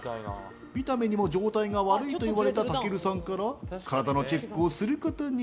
見た目にも状態が悪いと言われたたけるさんから体のチェックをすることに。